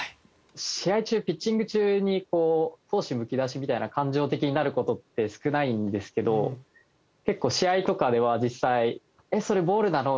試合中ピッチング中に闘志むき出しみたいな感情的になる事って少ないんですけど結構試合とかでは実際「それボールなの？」